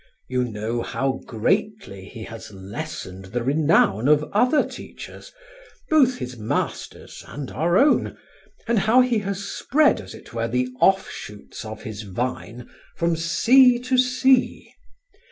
You know how greatly he has lessened the renown of other teachers, both his masters and our own, and how he has spread as it were the offshoots of his vine from sea to sea.